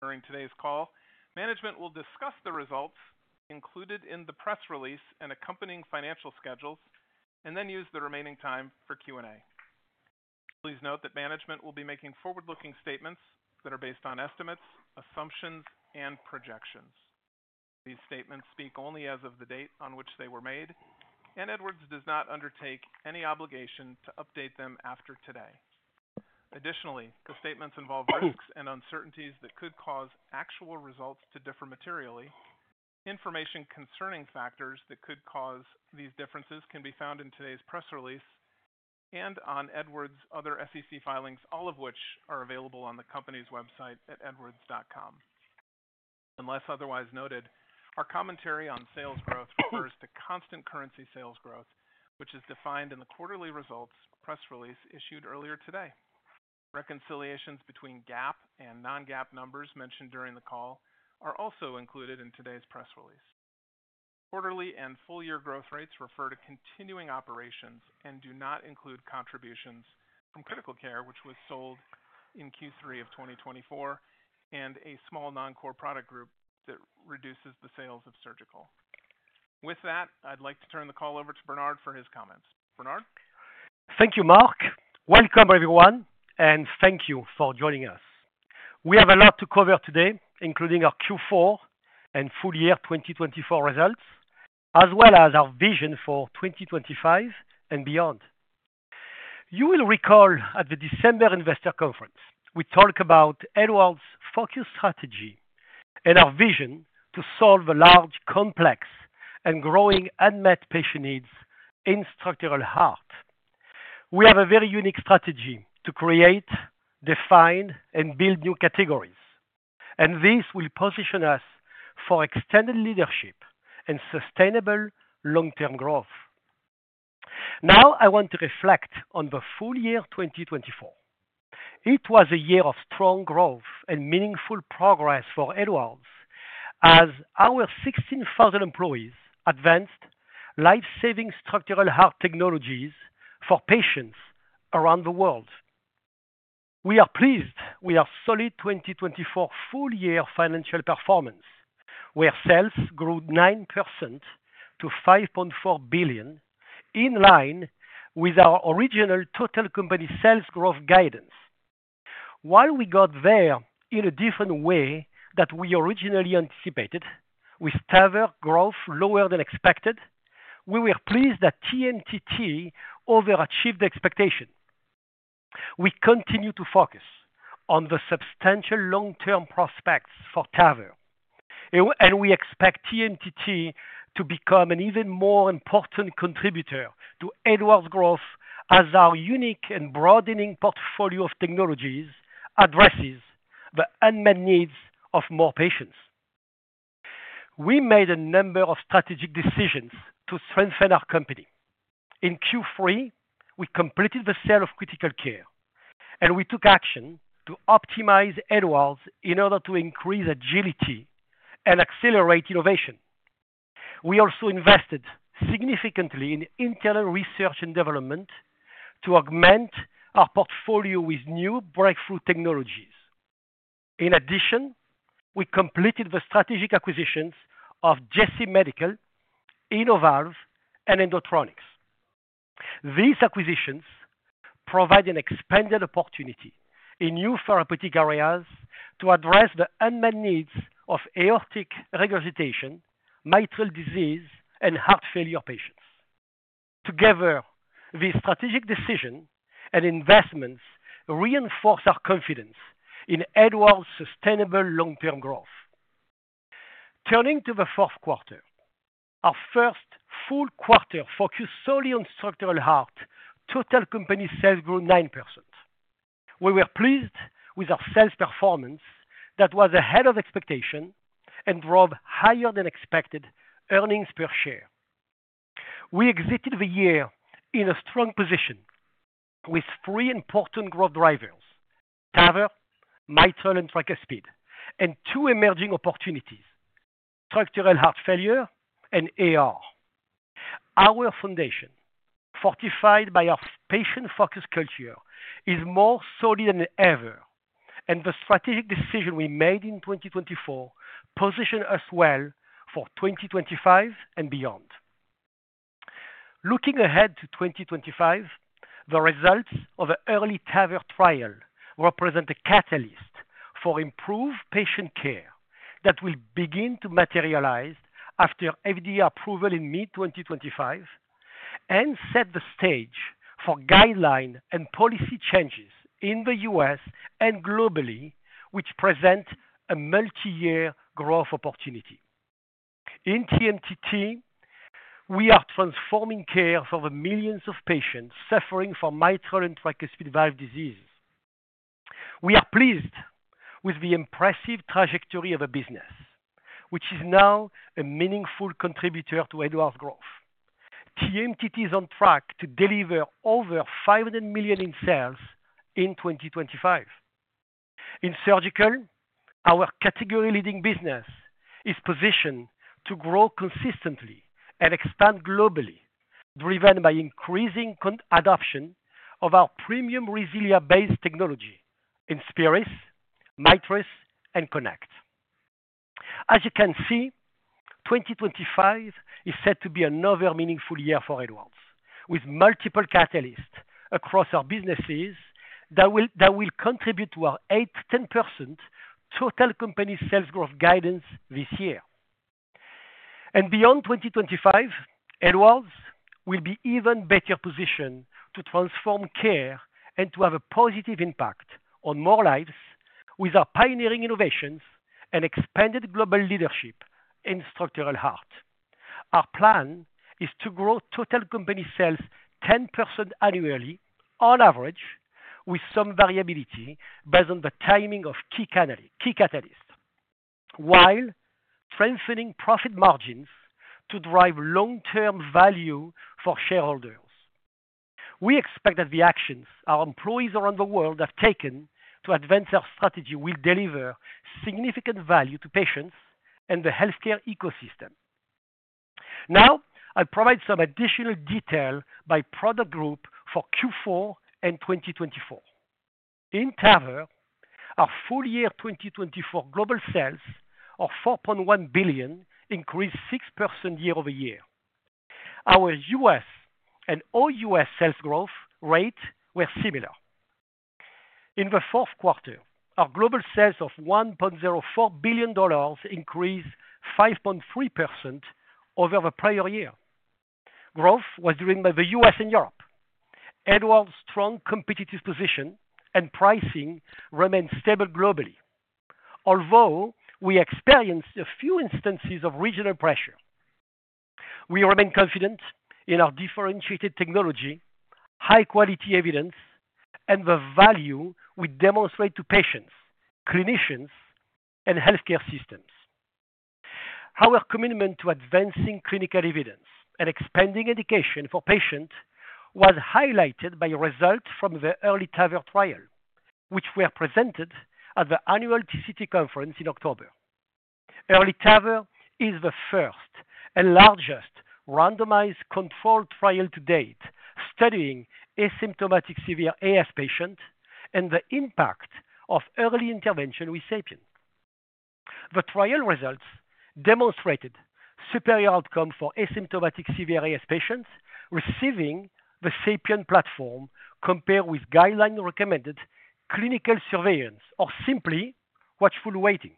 During today's call, management will discuss the results included in the press release and accompanying financial schedules, and then use the remaining time for Q&A. Please note that management will be making forward-looking statements that are based on estimates, assumptions, and projections. These statements speak only as of the date on which they were made, and Edwards does not undertake any obligation to update them after today. Additionally, the statements involve risks and uncertainties that could cause actual results to differ materially. Information concerning factors that could cause these differences can be found in today's press release and on Edwards' other SEC filings, all of which are available on the company's website at edwards.com. Unless otherwise noted, our commentary on sales growth refers to constant currency sales growth, which is defined in the quarterly results press release issued earlier today. Reconciliations between GAAP and non-GAAP numbers mentioned during the call are also included in today's press release. Quarterly and full-year growth rates refer to continuing operations and do not include contributions from Critical Care, which was sold in Q3 of 2024, and a small non-core product group that reduces the sales of Surgical. With that, I'd like to turn the call over to Bernard for his comments. Bernard? Thank you, Mark. Welcome, everyone, and thank you for joining us. We have a lot to cover today, including our Q4 and full-year 2024 results, as well as our vision for 2025 and beyond. You will recall at the December Investor Conference, we talked about Edwards' focus strategy and our vision to solve a large, complex, and growing unmet patient needs in structural heart. We have a very unique strategy to create, define, and build new categories, and this will position us for extended leadership and sustainable long-term growth. Now, I want to reflect on the full-year 2024. It was a year of strong growth and meaningful progress for Edwards as our 16,000 employees advanced lifesaving structural heart technologies for patients around the world. We are pleased with our solid 2024 full-year financial performance, where sales grew 9% to $5.4 billion, in line with our original total company sales growth guidance. While we got there in a different way than we originally anticipated, with TAVR growth lower than expected, we were pleased that TMTT overachieved expectations. We continue to focus on the substantial long-term prospects for TAVR, and we expect TMTT to become an even more important contributor to Edwards' growth as our unique and broadening portfolio of technologies addresses the unmet needs of more patients. We made a number of strategic decisions to strengthen our company. In Q3, we completed the sale of Critical Care, and we took action to optimize Edwards in order to increase agility and accelerate innovation. We also invested significantly in internal research and development to augment our portfolio with new breakthrough technologies. In addition, we completed the strategic acquisitions of JC Medical, Innovalve, and Endotronix. These acquisitions provide an expanded opportunity in new therapeutic areas to address the unmet needs of aortic regurgitation, mitral disease, and heart failure patients. Together, these strategic decisions and investments reinforce our confidence in Edwards' sustainable long-term growth. Turning to the fourth quarter, our first full quarter focused solely on structural heart. Total company sales grew 9%. We were pleased with our sales performance that was ahead of expectations and drove higher-than-expected earnings per share. We exited the year in a strong position with three important growth drivers: TAVR, Mitral, and Tricuspid, and two emerging opportunities: structural heart failure and AR. Our foundation, fortified by our patient-focused culture, is more solid than ever, and the strategic decision we made in 2024 positions us well for 2025 and beyond. Looking ahead to 2025, the results of an EARLY TAVR trial represent a catalyst for improved patient care that will begin to materialize after FDA approval in mid-2025 and set the stage for guideline and policy changes in the U.S. and globally, which present a multi-year growth opportunity. In TMTT, we are transforming care for the millions of patients suffering from mitral and Tricuspid valve diseases. We are pleased with the impressive trajectory of the business, which is now a meaningful contributor to Edwards' growth. TMTT is on track to deliver over $500 million in sales in 2025. In Surgical, our category-leading business is positioned to grow consistently and expand globally, driven by increasing adoption of our premium RESILIA-based technology in INSPIRIS, MITRIS, and KONECT. As you can see, 2025 is set to be another meaningful year for Edwards, with multiple catalysts across our businesses that will contribute to our 8%-10% total company sales growth guidance this year, and beyond 2025, Edwards will be in an even better position to transform care and to have a positive impact on more lives with our pioneering innovations and expanded global leadership in structural heart. Our plan is to grow total company sales 10% annually, on average, with some variability based on the timing of key catalysts, while strengthening profit margins to drive long-term value for shareholders. We expect that the actions our employees around the world have taken to advance our strategy will deliver significant value to patients and the healthcare ecosystem. Now, I'll provide some additional detail by product group for Q4 and 2024. In TAVR, our full-year 2024 global sales of $4.1 billion increased 6% year over year. Our US and ex-US sales growth rates were similar. In the fourth quarter, our global sales of $1.04 billion increased 5.3% over the prior year. Growth was driven by the US and Europe. Edwards' strong competitive position and pricing remain stable globally, although we experienced a few instances of regional pressure. We remain confident in our differentiated technology, high-quality evidence, and the value we demonstrate to patients, clinicians, and healthcare systems. Our commitment to advancing clinical evidence and expanding education for patients was highlighted by results from the EARLY TAVR trial, which were presented at the annual TCT conference in October. EARLY TAVR is the first and largest randomized controlled trial to date studying asymptomatic severe AS patients and the impact of early intervention with SAPIEN. The trial results demonstrated superior outcomes for asymptomatic severe AS patients receiving the SAPIEN platform compared with guideline-recommended clinical surveillance, or simply watchful waiting.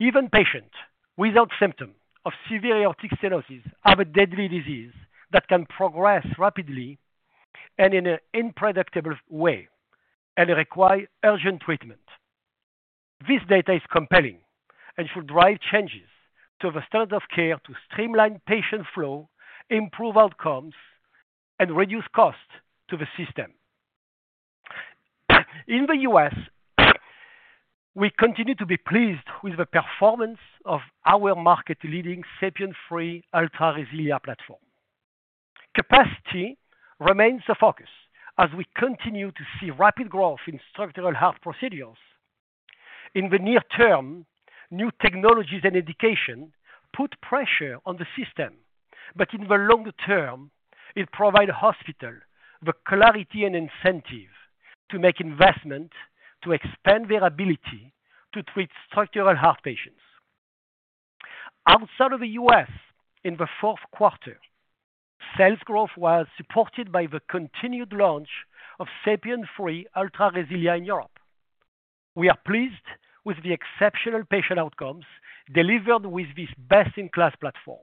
Even patients without symptoms of severe aortic stenosis have a deadly disease that can progress rapidly and in an unpredictable way and require urgent treatment. This data is compelling and should drive changes to the standard of care to streamline patient flow, improve outcomes, and reduce costs to the system. In the U.S., we continue to be pleased with the performance of our market-leading SAPIEN 3 Ultra RESILIA platform. Capacity remains the focus as we continue to see rapid growth in structural heart procedures. In the near term, new technologies and education put pressure on the system, but in the longer term, it provides hospitals the clarity and incentive to make investments to expand their ability to treat structural heart patients. Outside of the U.S., in the fourth quarter, sales growth was supported by the continued launch of SAPIEN 3 Ultra RESILIA in Europe. We are pleased with the exceptional patient outcomes delivered with this best-in-class platform,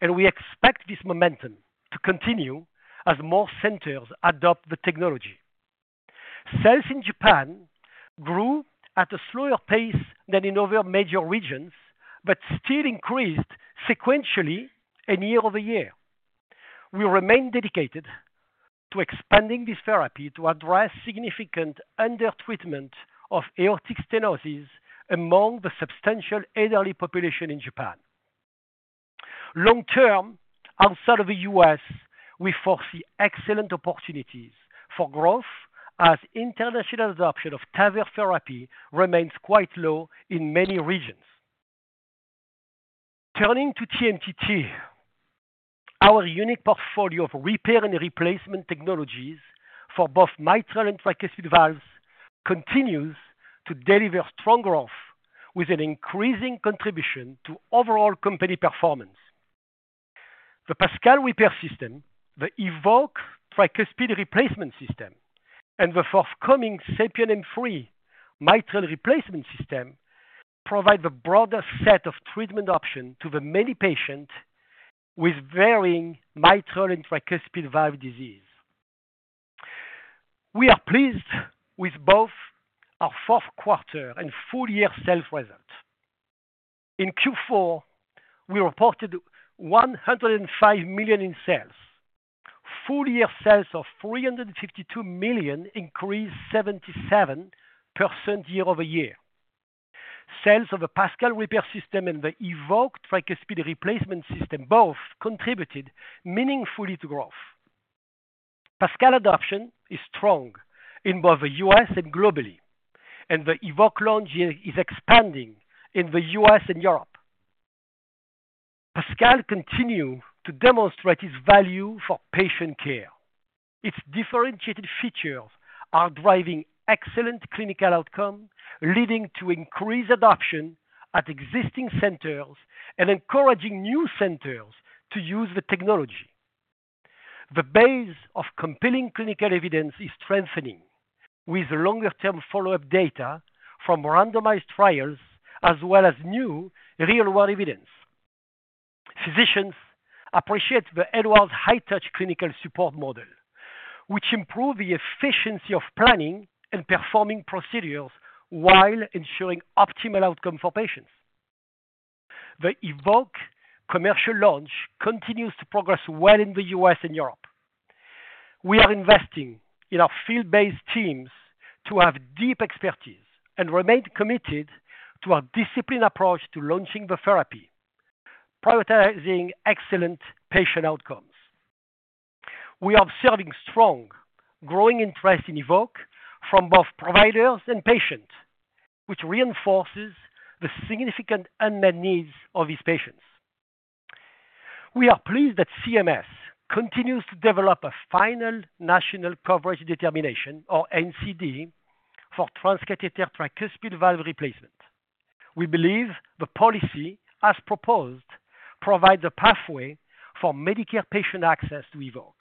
and we expect this momentum to continue as more centers adopt the technology. Sales in Japan grew at a slower pace than in other major regions but still increased sequentially year over year. We remain dedicated to expanding this therapy to address significant under-treatment of aortic stenosis among the substantial elderly population in Japan. Long-term, outside of the U.S., we foresee excellent opportunities for growth as international adoption of TAVR therapy remains quite low in many regions. Turning to TMTT, our unique portfolio of repair and replacement technologies for both mitral and Tricuspid valves continues to deliver strong growth with an increasing contribution to overall company performance. The PASCAL repair system, the EVOQUE tricuspid replacement system, and the forthcoming SAPIEN M3 mitral replacement system provide the broadest set of treatment options to the many patients with varying mitral and Tricuspid valve disease. We are pleased with both our fourth quarter and full-year sales results. In Q4, we reported $105 million in sales. Full-year sales of $352 million increased 77% year over year. Sales of the PASCAL repair system and the EVOQUE tricuspid replacement system both contributed meaningfully to growth. PASCAL adoption is strong in both the US and globally, and the EVOQUE launch is expanding in the US and Europe. PASCAL continues to demonstrate its value for patient care. Its differentiated features are driving excellent clinical outcomes, leading to increased adoption at existing centers and encouraging new centers to use the technology. The base of compelling clinical evidence is strengthening with longer-term follow-up data from randomized trials as well as new real-world evidence. Physicians appreciate the Edwards high-touch clinical support model, which improves the efficiency of planning and performing procedures while ensuring optimal outcomes for patients. The EVOQUE commercial launch continues to progress well in the U.S. and Europe. We are investing in our field-based teams to have deep expertise and remain committed to our disciplined approach to launching the therapy, prioritizing excellent patient outcomes. We are observing strong growing interest in EVOQUE from both providers and patients, which reinforces the significant unmet needs of these patients. We are pleased that CMS continues to develop a final national coverage determination, or NCD, for Transcatheter Tricuspid Valve Replacement. We believe the policy as proposed provides a pathway for Medicare patient access to EVOQUE.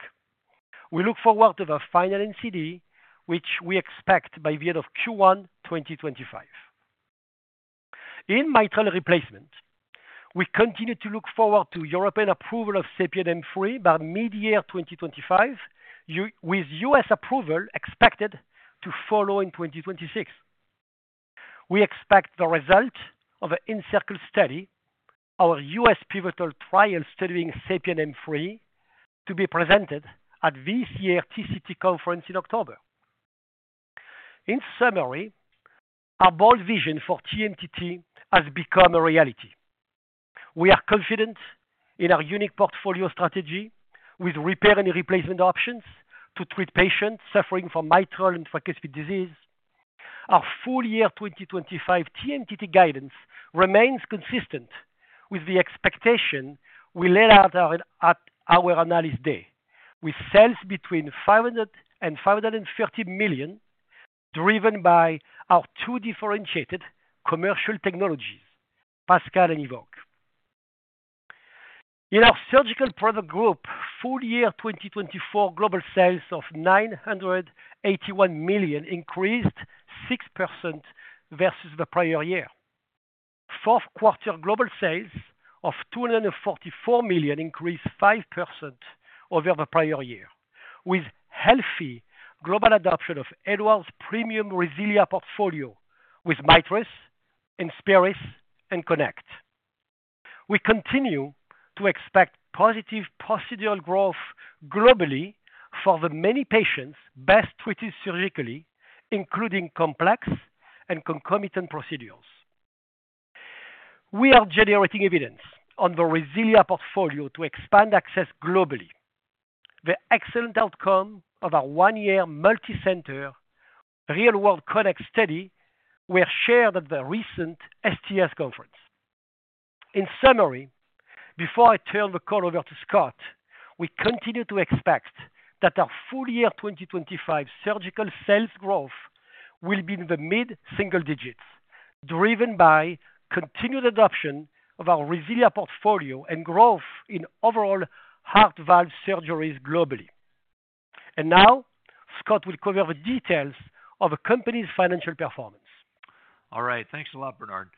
We look forward to the final NCD, which we expect by the end of Q1 2025. In mitral replacement, we continue to look forward to European approval of SAPIEN M3 by mid-year 2025, with U.S. approval expected to follow in 2026. We expect the result of the ENCIRCLE study, our U.S. pivotal trial studying SAPIEN M3, to be presented at this year's TCT conference in October. In summary, our bold vision for TMTT has become a reality. We are confident in our unique portfolio strategy with repair and replacement options to treat patients suffering from mitral and Tricuspid disease. Our full-year 2025 TMTT guidance remains consistent with the expectation we laid out at our analyst day, with sales between $500 million and $530 million driven by our two differentiated commercial technologies, PASCAL and EVOQUE. In our Surgical product group, full-year 2024 global sales of $981 million increased 6% versus the prior year. Fourth quarter global sales of $244 million increased 5% over the prior year, with healthy global adoption of Edwards' premium RESILIA portfolio with MITRIS, INSPIRIS, and KONECT. We continue to expect positive procedural growth globally for the many patients best treated surgically, including complex and concomitant procedures. We are generating evidence on the RESILIA portfolio to expand access globally. The excellent outcome of our one-year multi-center real-world KONECT study was shared at the recent STS conference. In summary, before I turn the call over to Scott, we continue to expect that our full-year 2025 Surgical sales growth will be in the mid-single digits, driven by continued adoption of our RESILIA portfolio and growth in overall heart valve surgeries globally. And now, Scott will cover the details of the company's financial performance. All right. Thanks a lot, Bernard.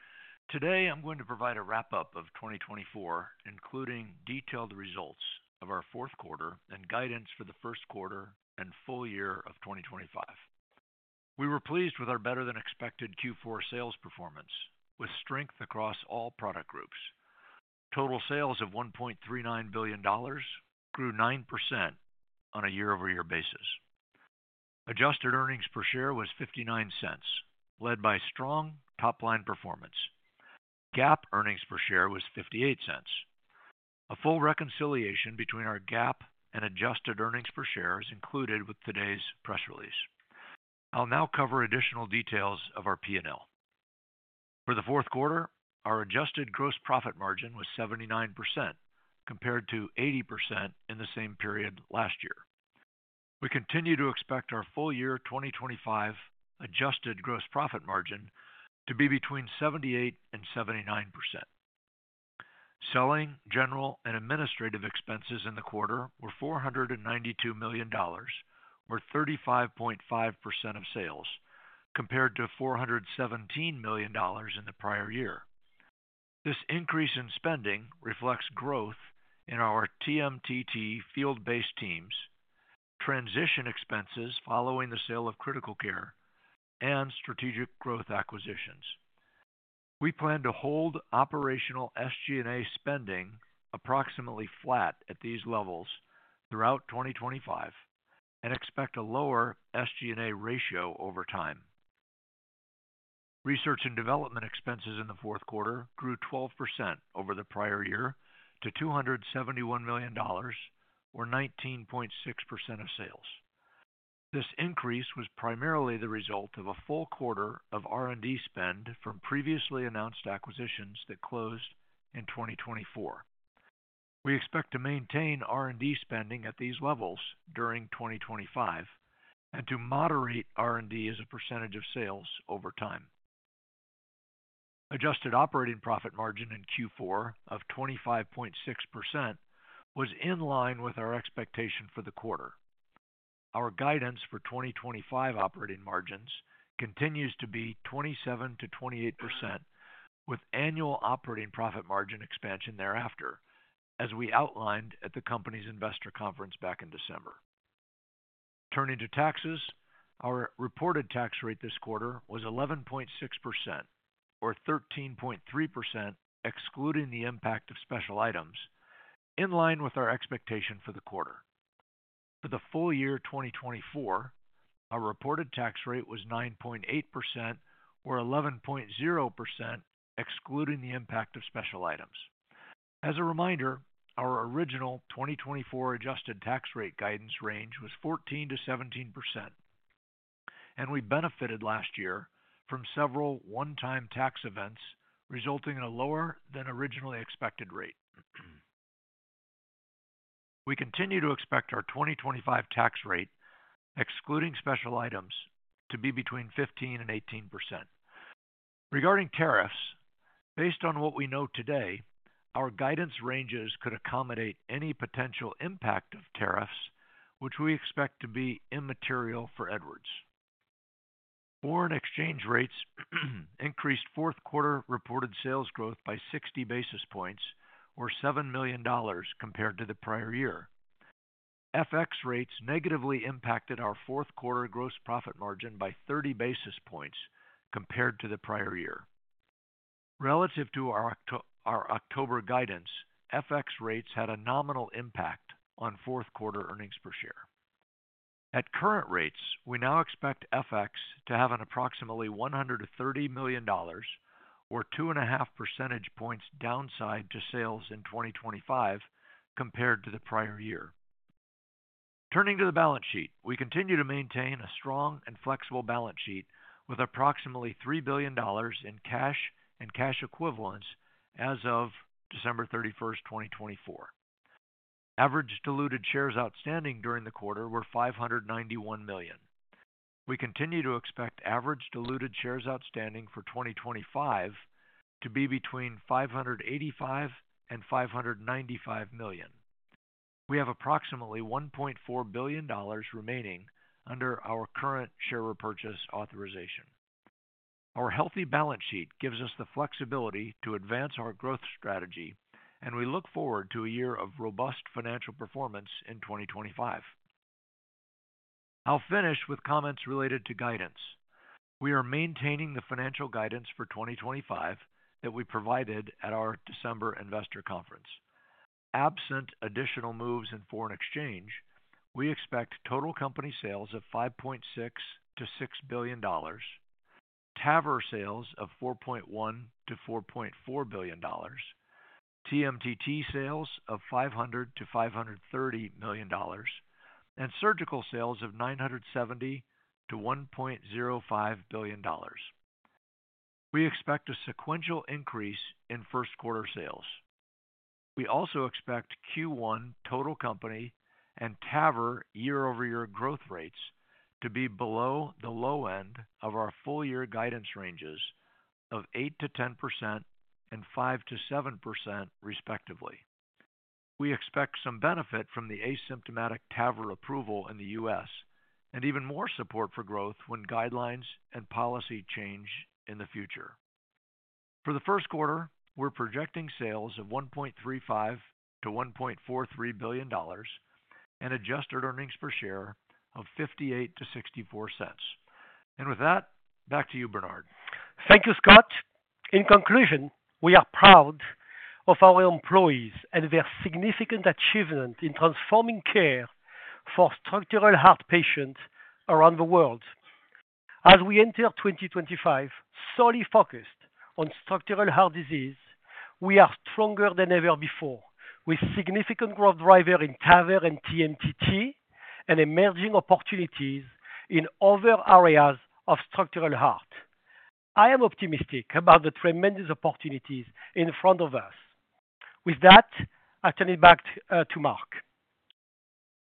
Today, I'm going to provide a wrap-up of 2024, including detailed results of our fourth quarter and guidance for the first quarter and full year of 2025. We were pleased with our better-than-expected Q4 sales performance, with strength across all product groups. Total sales of $1.39 billion grew 9% on a year-over-year basis. Adjusted earnings per share was $0.59, led by strong top-line performance. GAAP earnings per share was $0.58. A full reconciliation between our GAAP and adjusted earnings per share is included with today's press release. I'll now cover additional details of our P&L. For the fourth quarter, our adjusted gross profit margin was 79%, compared to 80% in the same period last year. We continue to expect our full-year 2025 adjusted gross profit margin to be between 78% and 79%. Selling, general, and administrative expenses in the quarter were $492 million, or 35.5% of sales, compared to $417 million in the prior year. This increase in spending reflects growth in our TMTT field-based teams, transition expenses following the sale of Critical Care, and strategic growth acquisitions. We plan to hold operational SG&A spending approximately flat at these levels throughout 2025 and expect a lower SG&A ratio over time. Research and development expenses in the fourth quarter grew 12% over the prior year to $271 million, or 19.6% of sales. This increase was primarily the result of a full quarter of R&D spend from previously announced acquisitions that closed in 2024. We expect to maintain R&D spending at these levels during 2025 and to moderate R&D as a percentage of sales over time. Adjusted operating profit margin in Q4 of 25.6% was in line with our expectation for the quarter. Our guidance for 2025 operating margins continues to be 27%-28%, with annual operating profit margin expansion thereafter, as we outlined at the company's investor conference back in December. Turning to taxes, our reported tax rate this quarter was 11.6%, or 13.3% excluding the impact of special items, in line with our expectation for the quarter. For the full year 2024, our reported tax rate was 9.8%, or 11.0% excluding the impact of special items. As a reminder, our original 2024 adjusted tax rate guidance range was 14%-17%, and we benefited last year from several one-time tax events resulting in a lower-than-originally-expected rate. We continue to expect our 2025 tax rate, excluding special items, to be between 15% and 18%. Regarding tariffs, based on what we know today, our guidance ranges could accommodate any potential impact of tariffs, which we expect to be immaterial for Edwards. Foreign exchange rates increased fourth quarter reported sales growth by 60 basis points, or $7 million compared to the prior year. FX rates negatively impacted our fourth quarter gross profit margin by 30 basis points compared to the prior year. Relative to our October guidance, FX rates had a nominal impact on fourth quarter earnings per share. At current rates, we now expect FX to have an approximately $130 million, or 2.5 percentage points downside to sales in 2025 compared to the prior year. Turning to the balance sheet, we continue to maintain a strong and flexible balance sheet with approximately $3 billion in cash and cash equivalents as of December 31, 2024. Average diluted shares outstanding during the quarter were 591 million. We continue to expect average diluted shares outstanding for 2025 to be between 585 and 595 million. We have approximately $1.4 billion remaining under our current share repurchase authorization. Our healthy balance sheet gives us the flexibility to advance our growth strategy, and we look forward to a year of robust financial performance in 2025. I'll finish with comments related to guidance. We are maintaining the financial guidance for 2025 that we provided at our December investor conference. Absent additional moves in foreign exchange, we expect total company sales of $5.6-$6 billion, TAVR sales of $4.1-$4.4 billion, TMTT sales of $500-$530 million, and Surgical sales of $970 to $1.05 billion. We expect a sequential increase in first-quarter sales. We also expect Q1 total company and TAVR year-over-year growth rates to be below the low end of our full-year guidance ranges of 8%-10% and 5%-7%, respectively. We expect some benefit from the asymptomatic TAVR approval in the U.S. and even more support for growth when guidelines and policy change in the future. For the first quarter, we're projecting sales of $1.35-$1.43 billion and adjusted earnings per share of $0.58-$0.64. And with that, back to you, Bernard. Thank you, Scott. In conclusion, we are proud of our employees and their significant achievement in transforming care for structural heart patients around the world. As we enter 2025, solely focused on structural heart disease, we are stronger than ever before, with significant growth drivers in TAVR and TMTT and emerging opportunities in other areas of structural heart. I am optimistic about the tremendous opportunities in front of us. With that, I turn it back to Mark.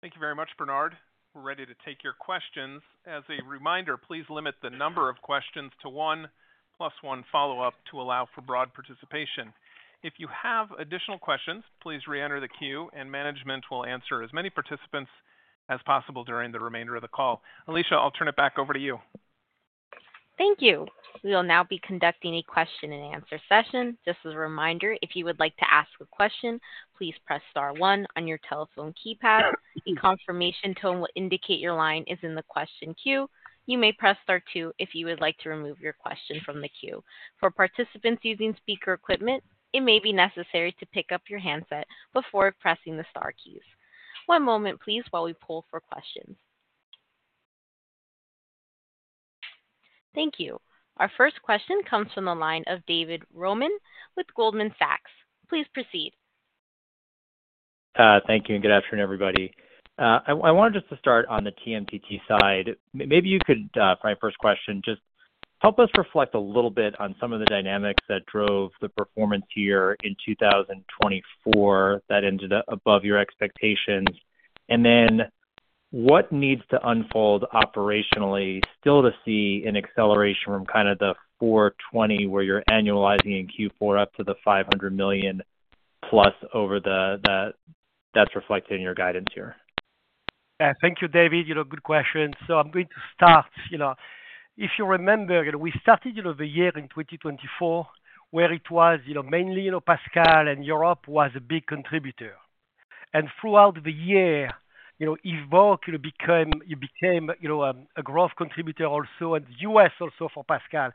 Thank you very much, Bernard. We're ready to take your questions. As a reminder, please limit the number of questions to one plus one follow-up to allow for broad participation. If you have additional questions, please re-enter the queue, and management will answer as many participants as possible during the remainder of the call. Alicia, I'll turn it back over to you. Thank you. We will now be conducting a question-and-answer session. Just as a reminder, if you would like to ask a question, please press star one on your telephone keypad. A confirmation tone will indicate your line is in the question queue. You may press star two if you would like to remove your question from the queue. For participants using speaker equipment, it may be necessary to pick up your handset before pressing the star keys. One moment, please, while we pull for questions. Thank you. Our first question comes from the line of David Roman with Goldman Sachs. Please proceed. Thank you, and good afternoon, everybody. I wanted just to start on the TMTT side. Maybe you could, for my first question, just help us reflect a little bit on some of the dynamics that drove the performance year in 2024 that ended up above your expectations. And then what needs to unfold operationally still to see an acceleration from kind of the $420 million, where you're annualizing in Q4 up to the $500 million plus over that that's reflected in your guidance here? Thank you, David. Good question. So I'm going to start. If you remember, we started the year in 2024 where it was mainly PASCAL and Europe was a big contributor. And throughout the year, EVOQUE became, you know, a growth contributor also and the US also for PASCAL.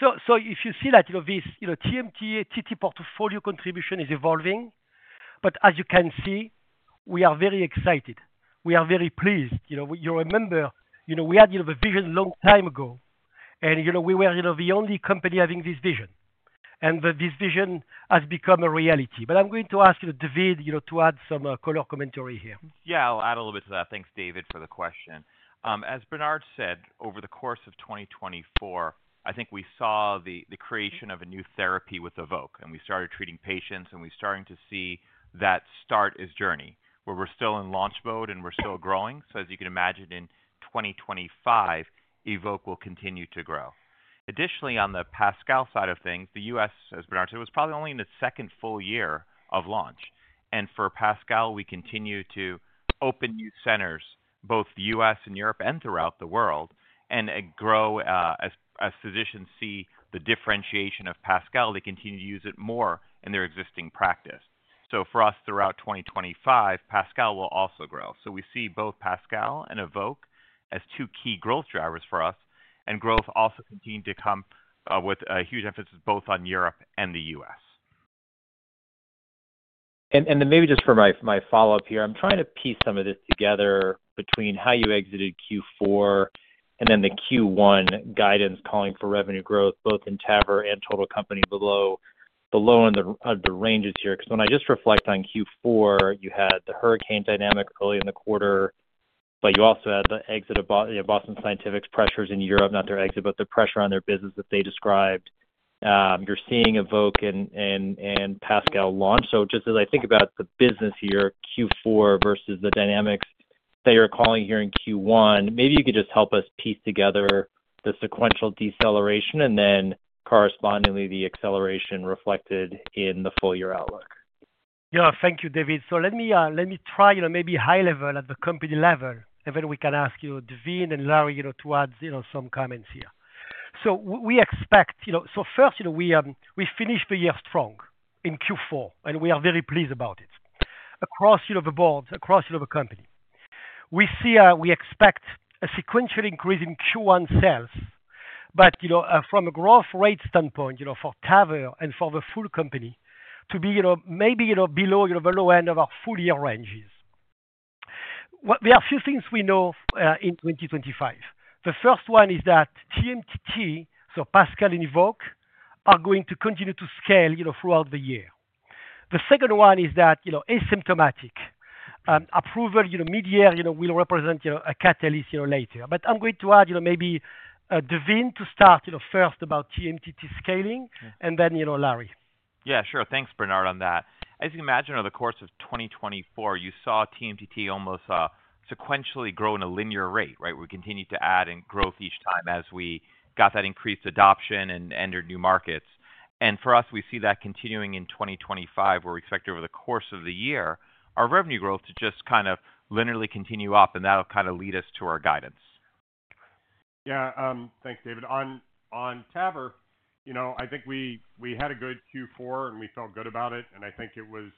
If you see that this TMTT portfolio contribution is evolving, but as you can see, we are very excited. We are very pleased. You remember, we had the vision a long time ago, and we were the only company having this vision. And this vision has become a reality. But I'm going to ask David to add some color commentary here. Yeah, I'll add a little bit to that. Thanks, David, for the question. As Bernard said, over the course of 2024, I think we saw the creation of a new therapy with EVOQUE, and we started treating patients, and we're starting to see the start of a journey, where we're still in launch mode and we're still growing. So as you can imagine, in 2025, EVOQUE will continue to grow. Additionally, on the PASCAL side of things, the U.S., as Bernard said, was probably only in the second full year of launch. And for PASCAL, we continue to open new centers, both the U.S. and Europe and throughout the world, and grow as physicians see the differentiation of PASCAL. They continue to use it more in their existing practice. So for us, throughout 2025, PASCAL will also grow. So we see both PASCAL and EVOQUE as two key growth drivers for us, and growth also continuing to come with a huge emphasis both on Europe and the U.S. And maybe just for my follow-up here, I'm trying to piece some of this together between how you exited Q4 and then the Q1 guidance calling for revenue growth, both in TAVR and total company below in the ranges here. Because when I just reflect on Q4, you had the hurricane dynamic early in the quarter, but you also had the exit of Boston Scientific's pressures in Europe, not their exit, but the pressure on their business that they described. You're seeing EVOQUE and PASCAL launch. So just as I think about the business here, Q4 versus the dynamics that you're calling here in Q1, maybe you could just help us piece together the sequential deceleration and then correspondingly the acceleration reflected in the full-year outlook. Yeah, thank you, David. So let me try maybe high level at the company level, and then we can ask you, Daveen and Larry, to add some comments here. So we expect, so first, we finished the year strong in Q4, and we are very pleased about it across the board, across the company. We see we expect a sequential increase in Q1 sales, but from a growth rate standpoint for TAVR and for the full company to be maybe below the low end of our full-year ranges. There are a few things we know in 2025. The first one is that TMTT, so PASCAL and EVOQUE, are going to continue to scale throughout the year. The second one is that asymptomatic approval mid-year will represent a catalyst later. But I'm going to add maybe Daveen to start first about TMTT scaling, and then Larry. Yeah, sure. Thanks, Bernard, on that. As you can imagine, over the course of 2024, you saw TMTT almost sequentially grow in a linear rate, right? We continued to add in growth each time as we got that increased adoption and entered new markets. For us, we see that continuing in 2025, where we expect over the course of the year, our revenue growth to just kind of linearly continue up, and that'll kind of lead us to our guidance. Yeah, thanks, David. On TAVR, I think we had a good Q4, and we felt good about it. I think it was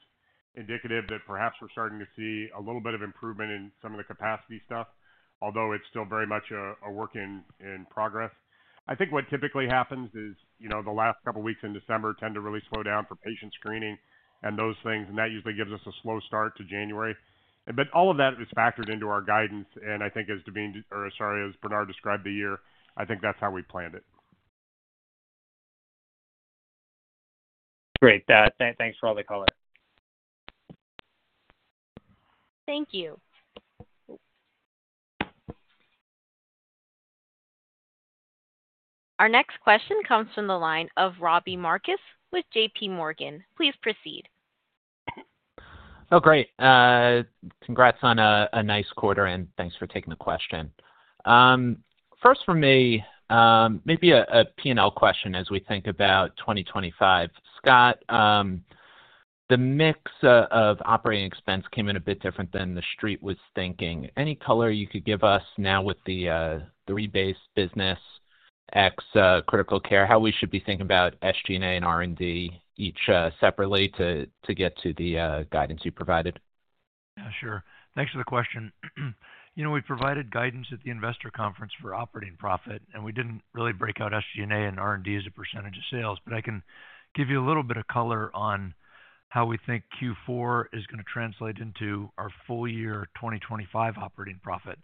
indicative that perhaps we're starting to see a little bit of improvement in some of the capacity stuff, although it's still very much a work in progress. I think what typically happens is the last couple of weeks in December tend to really slow down for patient screening and those things, and that usually gives us a slow start to January. But all of that is factored into our guidance, and I think as Daveen or sorry, as Bernard described the year, I think that's how we planned it. Great. Thanks for all the color. Thank you. Our next question comes from the line of Robert Marcus with J.P. Morgan. Please proceed. Oh, great. Congrats on a nice quarter, and thanks for taking the question. First for me, maybe a P&L question as we think about 2025. Scott, the mix of operating expense came in a bit different than the street was thinking. Any color you could give us now with the three-base business ex Critical Care, how we should be thinking about SG&A and R&D each separately to get to the guidance you provided? Yeah, sure. Thanks for the question. We provided guidance at the investor conference for operating profit, and we didn't really break out SG&A and R&D as a percentage of sales, but I can give you a little bit of color on how we think Q4 is going to translate into our full-year 2025 operating profit.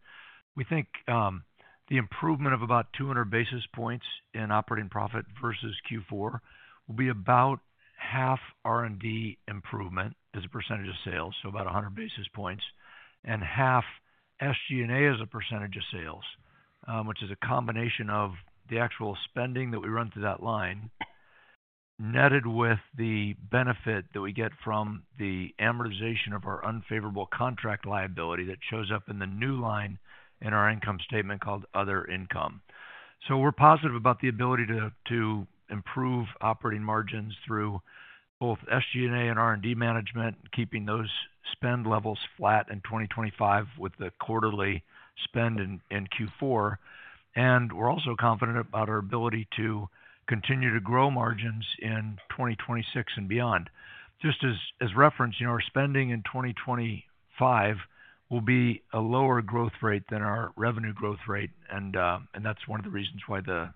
We think the improvement of about 200 basis points in operating profit versus Q4 will be about half R&D improvement as a percentage of sales, so about 100 basis points, and half SG&A as a percentage of sales, which is a combination of the actual spending that we run through that line netted with the benefit that we get from the amortization of our unfavorable contract liability that shows up in the new line in our income statement called other income. So we're positive about the ability to improve operating margins through both SG&A and R&D management, keeping those spend levels flat in 2025 with the quarterly spend in Q4. And we're also confident about our ability to continue to grow margins in 2026 and beyond. Just as reference, our spending in 2025 will be a lower growth rate than our revenue growth rate, and that's one of the reasons why the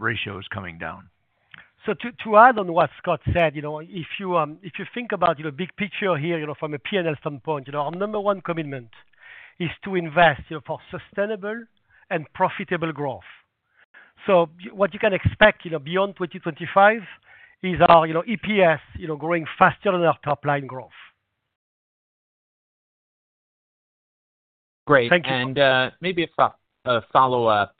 ratio is coming down. So to add on what Scott said, if you think about the big picture here from a P&L standpoint, our number one commitment is to invest for sustainable and profitable growth. So what you can expect beyond 2025 is our EPS growing faster than our top line growth. Great. Thank you. And maybe a follow-up.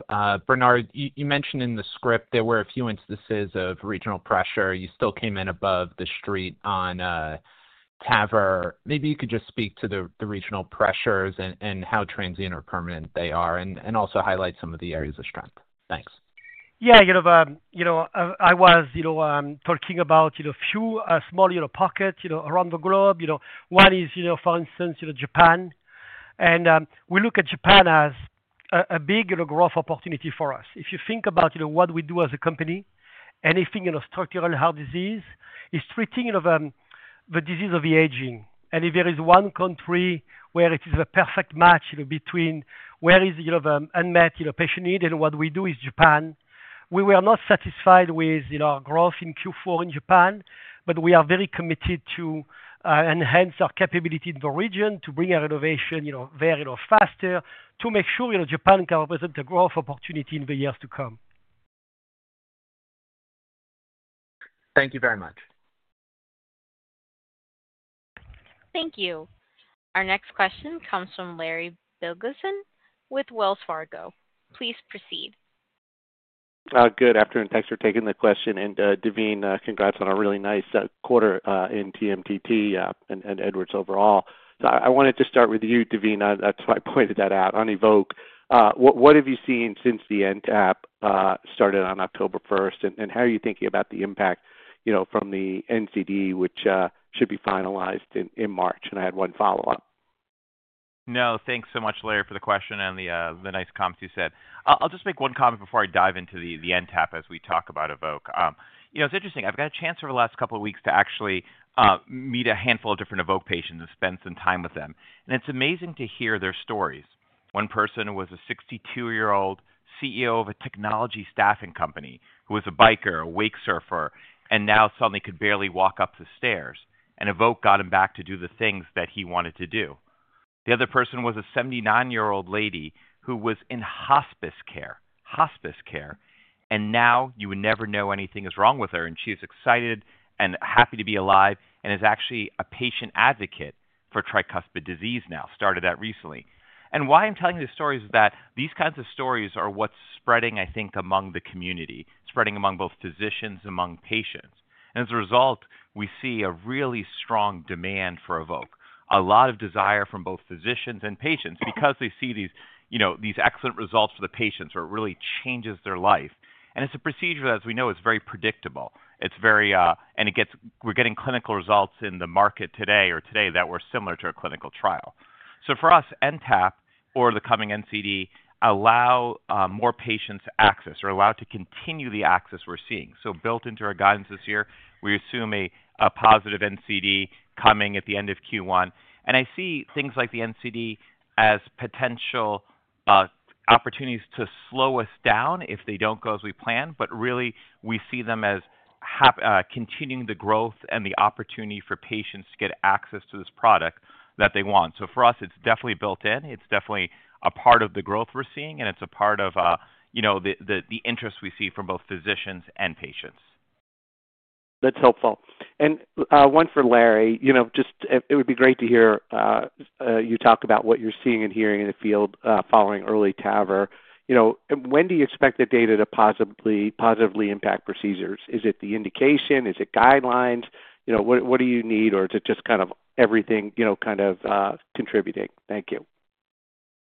Bernard, you mentioned in the script there were a few instances of regional pressure. You still came in above the street on TAVR. Maybe you could just speak to the regional pressures and how transient or permanent they are and also highlight some of the areas of strength. Thanks. Yeah, I was talking about a few small pockets around the globe. One is, for instance, Japan. And we look at Japan as a big growth opportunity for us. If you think about what we do as a company, anything in structural heart disease is treating the disease of aging. And if there is one country where it is a perfect match between where is the unmet patient need, and what we do is Japan, we were not satisfied with our growth in Q4 in Japan, but we are very committed to enhance our capability in the region to bring our innovation there faster, to make sure Japan can represent a growth opportunity in the years to come. Thank you very much. Thank you. Our next question comes from Larry Biegelsen with Wells Fargo. Please proceed. Good afternoon. Thanks for taking the question. And Daveen, congrats on a really nice quarter in TMTT and Edwards overall. I wanted to start with you, Daveen. That's why I pointed that out on EVOQUE. What have you seen since the NTAP started on October 1st, and how are you thinking about the impact from the NCD, which should be finalized in March? And I had one follow-up. No, thanks so much, Larry, for the question and the nice comments you said. I'll just make one comment before I dive into the NTAP as we talk about EVOQUE. It's interesting. I've got a chance over the last couple of weeks to actually meet a handful of different EVOQUE patients and spend some time with them. And it's amazing to hear their stories. One person was a 62-year-old CEO of a technology staffing company who was a biker, a wakesurfer, and now suddenly could barely walk up the stairs. EVOQUE got him back to do the things that he wanted to do. The other person was a 79-year-old lady who was in hospice care, and now you would never know anything is wrong with her. And she's excited and happy to be alive and is actually a patient advocate for Tricuspid disease now, started that recently. And why I'm telling you these stories is that these kinds of stories are what's spreading, I think, among the community, spreading among both physicians and among patients. And as a result, we see a really strong demand for EVOQUE, a lot of desire from both physicians and patients because they see these excellent results for the patients or it really changes their life. And it's a procedure that, as we know, is very predictable. We're getting clinical results in the market today, that were similar to our clinical trial. So for us, NTAP or the coming NCD allow more patients access or allow to continue the access we're seeing. Built into our guidance this year, we assume a positive NCD coming at the end of Q1. I see things like the NCD as potential opportunities to slow us down if they don't go as we planned, but really we see them as continuing the growth and the opportunity for patients to get access to this product that they want. For us, it's definitely built in. It's definitely a part of the growth we're seeing, and it's a part of the interest we see from both physicians and patients. That's helpful. One for Larry, just it would be great to hear you talk about what you're seeing and hearing in the field following Early TAVR. When do you expect the data to positively impact procedures? Is it the indication? Is it guidelines? What do you need? Or is it just kind of everything kind of contributing? Thank you.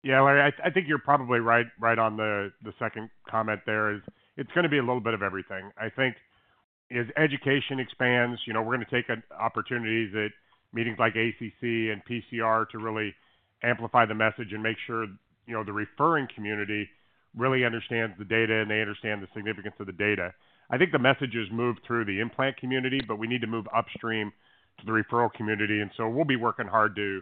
Yeah, Larry, I think you're probably right on the second comment there. It's going to be a little bit of everything. I think as education expands, we're going to take opportunities at meetings like ACC and PCR to really amplify the message and make sure the referring community really understands the data and they understand the significance of the data. I think the message has moved through the implant community, but we need to move upstream to the referral community. And so we'll be working hard to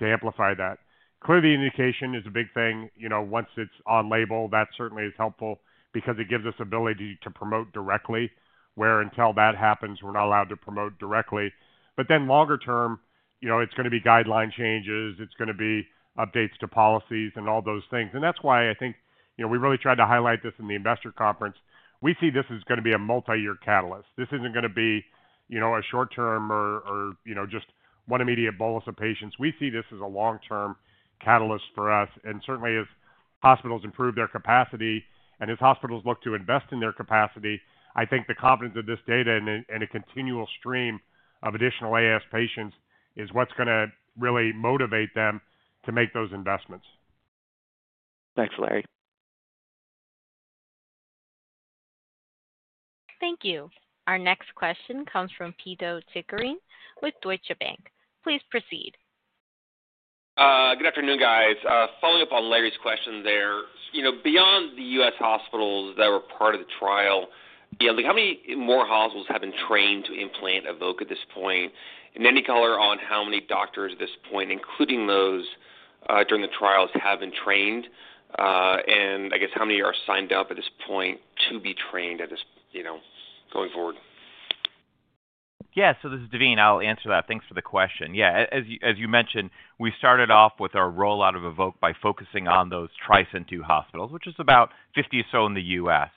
amplify that. Clearly, the indication is a big thing. Once it's on label, that certainly is helpful because it gives us the ability to promote directly, where until that happens, we're not allowed to promote directly. But then longer term, it's going to be guideline changes. It's going to be updates to policies and all those things. And that's why I think we really tried to highlight this in the investor conference. We see this as going to be a multi-year catalyst. This isn't going to be a short term or just one immediate bolus of patients. We see this as a long-term catalyst for us. And certainly, as hospitals improve their capacity and as hospitals look to invest in their capacity, I think the confidence of this data and a continual stream of additional AS patients is what's going to really motivate them to make those investments. Thanks, Larry. Thank you. Our next question comes from Pito Chickering with Deutsche Bank. Please proceed. Good afternoon, guys. Following up on Larry's question there, beyond the US hospitals that were part of the trial, how many more hospitals have been trained to implant EVOQUE at this point? And any color on how many doctors at this point, including those during the trials, have been trained? And I guess how many are signed up at this point to be trained going forward? Yeah, so this is Daveen. I'll answer that. Thanks for the question. Yeah, as you mentioned, we started off with our rollout of EVOQUE by focusing on those TRISCEND II hospitals, which is about 50 or so in the US.